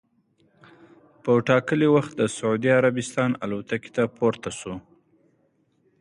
په ټا کلي وخت د سعودي عربستان الوتکې ته پورته سو.